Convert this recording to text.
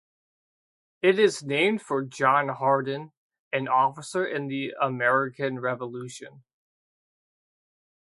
It is named for John Hardin, an officer in the American Revolution.